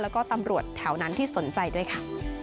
แล้วก็ตำรวจแถวนั้นที่สนใจด้วยค่ะ